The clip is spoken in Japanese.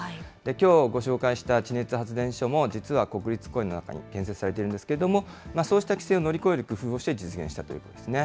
きょうご紹介した地熱発電所も、実は国立公園の中に建設されているんですけれども、そうした規制を乗り越える工夫をして実現したということですね。